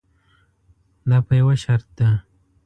دا په یوه شرط ده.